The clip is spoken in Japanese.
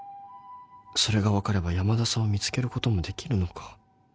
それが分かれば山田さんを見つけることもできるのか